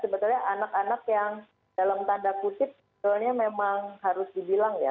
sebetulnya anak anak yang dalam tanda kutip sebenarnya memang harus dibilang ya